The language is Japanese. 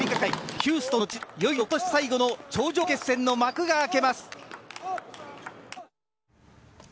ヒューストンの地でいよいよ、ことし最後の頂上決戦の幕が開けます。